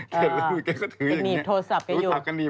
แกก็ถืออย่างงี้